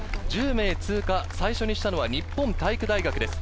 １０名通過、最初にしたのは日本体育大学です。